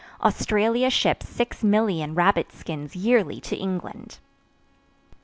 Australia ships 6,000,000 rabbit skins yearly to England.